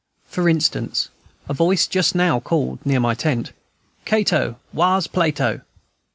For instance, a voice just now called, near my tent, "Cato, whar's Plato?"